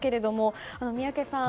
宮家さん